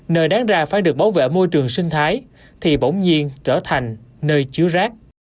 nơi đáng ra phải được bảo vệ môi trường sinh thái thì bỗng nhiên trở thành nơi chứa rác